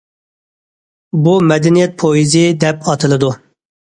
بۇ« مەدەنىيەت پويىزى» دەپ ئاتىلىدۇ.